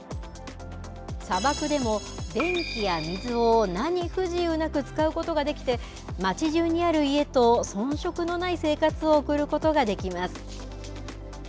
砂漠でも、電気や水を何不自由なく使うことができて、町じゅうにある家と遜色のない生活を送ることができます。